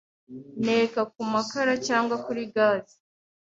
Nteka ku makara cyangwa kuri “gaz